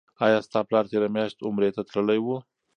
آیا ستا پلار تیره میاشت عمرې ته تللی و؟